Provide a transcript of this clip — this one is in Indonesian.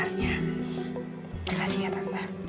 terima kasih ya tante